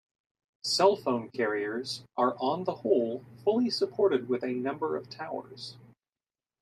Cell phones carriers are on the whole fully supported with a number of towers.